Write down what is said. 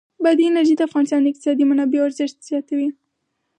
بادي انرژي د افغانستان د اقتصادي منابعو ارزښت زیاتوي.